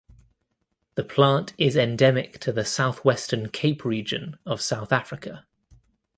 The plant is endemic to the southwestern Cape Region of South Africa.